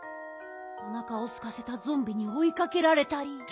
おなかをすかせたゾンビにおいかけられたり。